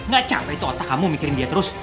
gak capek itu otak kamu mikirin dia terus